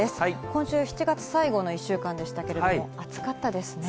今週、７月最後の１週間でしたけれども、暑かったですね。